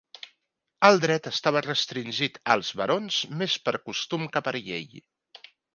El dret estava restringit als barons més per costum que per llei.